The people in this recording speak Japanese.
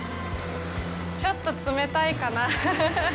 ちょっと冷たいかな？